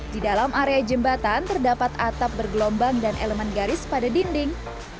di dalam area jembatan terdapat atap bergelombang dan elemen garis pada dinding